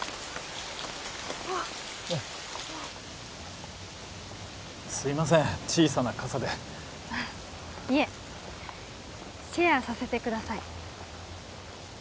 おおすいません小さな傘でいえシェアさせてください